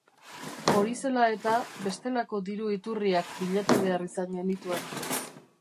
Hori zela eta, bestelako diru iturriak bilatu behar izan genituen.